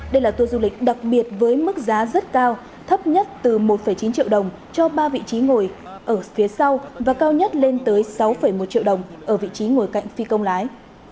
đây là tour du lịch đặc biệt với mức giá rất cao thấp nhất từ một chín triệu đồng cho ba vị trí ngồi ở phía sau và cao nhất lên tới sáu một triệu đồng ở vị trí ngồi cạnh phi công lái